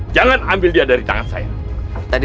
jangan ambil dia dari tangan saya